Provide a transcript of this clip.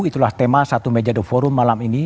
itulah tema satu meja the forum malam ini